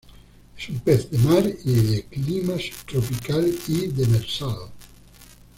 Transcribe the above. Es un pez de mar y de de clima subtropical y demersal.